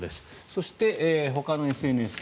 そしてほかのＳＮＳ